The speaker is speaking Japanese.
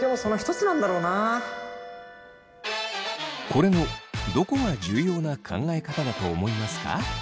これのどこが重要な考え方だと思いますか？